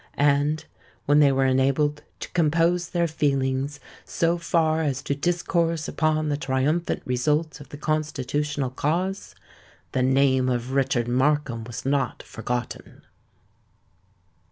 And when they were enabled to compose their feelings so far as to discourse upon the triumphant result of the Constitutional cause, the name of Richard Markham was not forgotten!